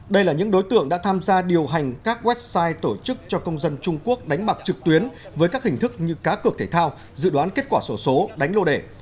đây là những đối tượng đã tham gia điều hành các website tổ chức cho công dân trung quốc đánh bạc trực tuyến với các hình thức như cá cược thể thao dự đoán kết quả sổ số đánh lô đề